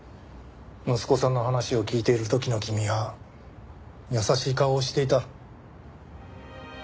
息子さんの話を聞いている時の君は優しい顔をしていた。